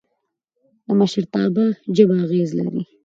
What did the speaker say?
د مشرتابه ژبه اغېز لري